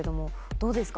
どうですか？